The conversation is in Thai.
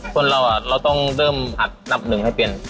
คนเราเราต้องเริ่มผัดนับหนึ่งให้เป็น